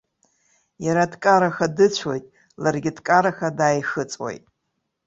Иара дкараха дыцәоит, ларгьы дкараха дааихыҵуеит.